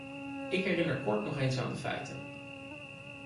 Ik herinner kort nog eens aan de feiten.